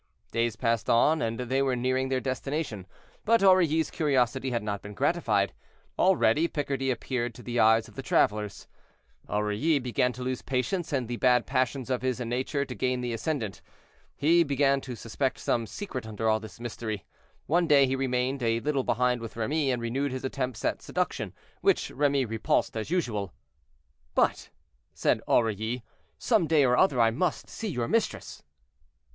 Days passed on, and they were nearing their destination, but Aurilly's curiosity had not been gratified. Already Picardy appeared to the eyes of the travelers. Aurilly began to lose patience, and the bad passions of his nature to gain the ascendant. He began to suspect some secret under all this mystery. One day he remained a little behind with Remy, and renewed his attempts at seduction, which Remy repulsed as usual. "But," said Aurilly, "some day or other I must see your mistress."